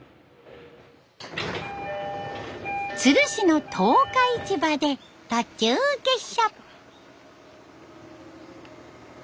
都留市の十日市場で途中下車。